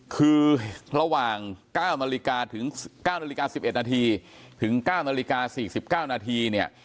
คือระหว่าง๙นาฬิกา๑๑นาทีถึง๙นาฬิกา๔๙นาทีเนี่ย